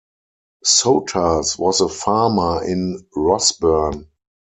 Sotas was a farmer in Rossburn.